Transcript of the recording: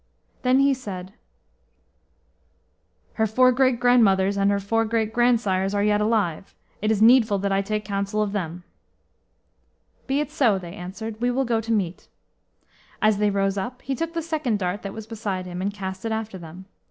Then he said, "Her four great grandmothers and her four great grandsires are yet alive; it is needful that I take counsel of them." "Be it so," they answered, "we will go to meat." As they rose up he took the second dart that was beside him, and cast it after them.